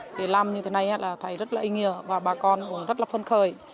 để làm như thế này là thấy rất là ý nghĩa và bà con cũng rất là phân khởi